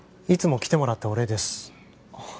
いつも来てもらったお礼です。